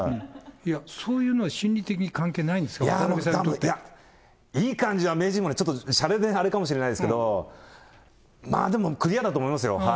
いや、そういうのは心理的に関係ないですか、渡辺さんにとっいい感じは、名人は、ちょっとしゃれであれかもしれないですけど、クリアだと思いますよ。